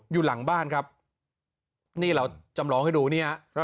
อยู่หลังบ้านครับนี่เราจำลองให้ดูเนี่ย